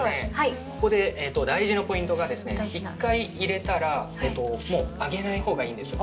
ここで大事なポイントがですね、１回入れたら、もう上げないほうがいいんですよ。